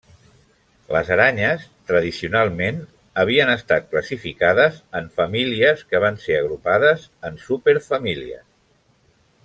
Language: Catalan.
Les aranyes, tradicionalment, havien estat classificades en famílies que van ser agrupades en superfamílies.